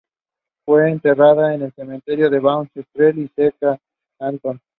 Fue enterrada en el Cementerio Washburn Street de Scranton.